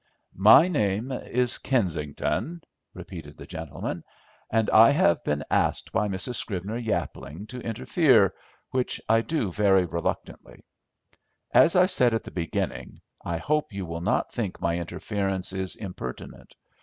"My name is Kensington," repeated the gentleman, "and I have been asked by Mrs. Scrivener Yapling to interfere, which I do very reluctantly. As I said at the beginning, I hope you will not think my interference is impertinent.